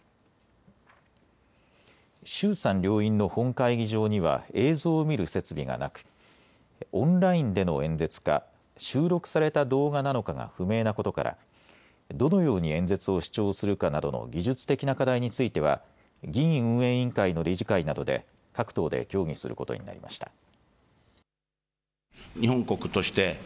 衆参両院の本会議場には映像を見る設備がなくオンラインでの演説か収録された動画なのかが不明なことからどのように演説を視聴するかなどの技術的な課題については議院運営委員会の理事会などで各党で協議することになりました。